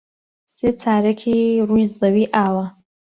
سێ چارەکی ڕووی زەوی ئاوە.